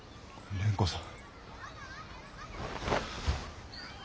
蓮子さん。